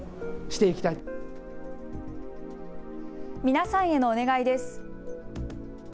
皆さんへのお願いです。